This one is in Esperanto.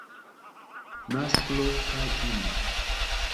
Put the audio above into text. Masklo kaj ino.